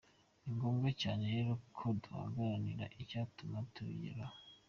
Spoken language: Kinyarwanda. Ni ngombwa cyane rero ko duharanira icyatuma tubigeraho.